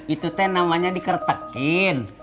itu teh namanya dikretekin